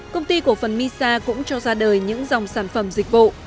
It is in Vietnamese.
công ty cổ phần misa cũng cho ra đời những dòng sản phẩm dịch vụ